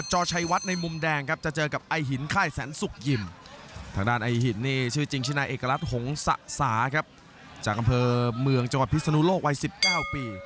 จะเจอกับพิษฎานูโลกวัย๑๙ปี